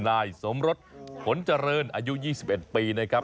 นายสมรสผลเจริญอายุ๒๑ปีนะครับ